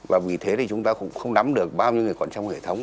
và vì thế thì chúng ta cũng không nắm được bao nhiêu người còn trong hệ thống